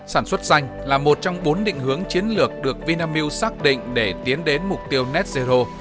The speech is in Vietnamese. sản xuất xanh là một trong bốn định hướng chiến lược được vinamil xác định để tiến đến mục tiêu netzero